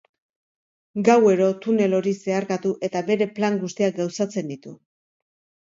Gauero, tunel hori zeharkatu eta bere plan guztiak gauzatzen ditu.